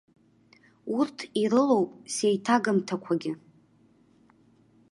Урҭ ирылоуп сеиҭагамҭақәагьы.